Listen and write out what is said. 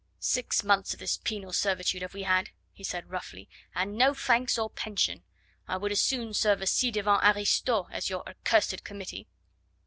"Six months of this penal servitude have we had," he said roughly, "and no thanks or pension. I would as soon serve a ci devant aristo as your accursed Committee."